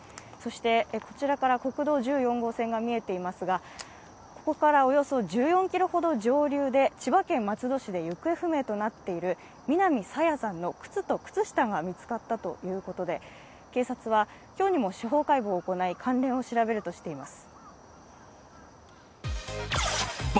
こちらから国道１４号線が見えていますが、ここからおよそ１４ｋｍほど上流で千葉県松戸市で行方不明となっている南朝芽さんの靴と靴下が見つかったということで警察は今日にも司法解剖を行い関連を調べるとしています。